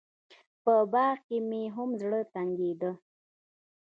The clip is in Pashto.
په باغ کښې مې هم زړه تنګېده.